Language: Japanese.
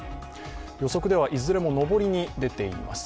予測ではいずれも上りに出ています。